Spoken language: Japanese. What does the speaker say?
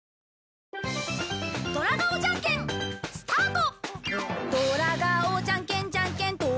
スタート！